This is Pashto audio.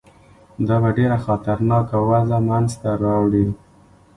دا به ډېره خطرناکه وضع منځته راوړي.